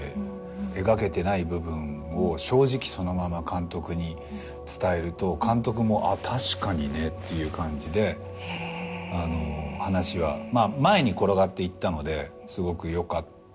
描けてない部分を正直そのまま監督に伝えると監督も「あっ確かにね」っていう感じで話は前に転がっていったのですごくよかったんですけど。